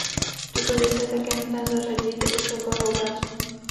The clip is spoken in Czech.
Tuto věc je také nutné zařadit do celkového obrázku.